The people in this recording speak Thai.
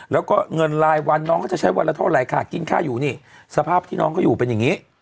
แล้วเงินรายวันเขาจะใช้ได้เท่าไหร่ค่ะกิ้นค่าอยู่สภาพเดียวเหรอดีกว่าน้องไรเป็นแบบนี้